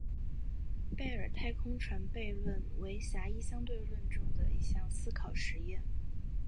贝尔太空船悖论为狭义相对论中的一项思考实验。